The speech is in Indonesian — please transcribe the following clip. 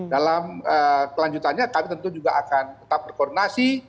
dalam kelanjutannya kami tentu juga akan tetap berkoordinasi